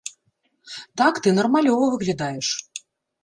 Так ты нармалёва выглядаеш.